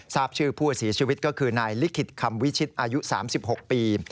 ทราบชื่อผู้เสียชีวิตก็คือนายลิขิตคำวิชิตอายุ๓๖ปี